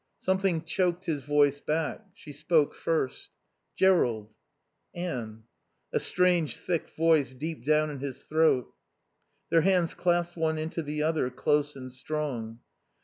Something choked his voice back. She spoke first. "Jerrold " "Anne." A strange, thick voice deep down in his throat. Their hands clasped one into the other, close and strong.